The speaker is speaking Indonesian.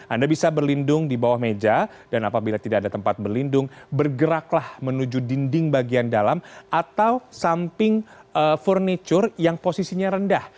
anda bisa berlindung di bawah meja dan apabila tidak ada tempat berlindung bergeraklah menuju dinding bagian dalam atau samping furniture yang posisinya rendah